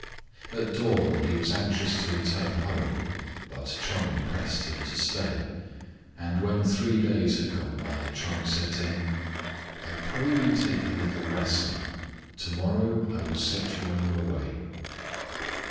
At dawn he was anxious to return home, but Ch'eng pressed him to stay ; and when three days had gone by Ch'eng said to him, " I pray you take a little rest now : to morrow I will set you on your way."